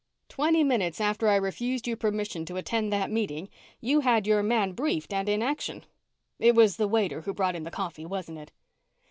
Twenty minutes after I refused you permission to attend that meeting, you had your man briefed and in action. It was the waiter who brought in the coffee, wasn't it?"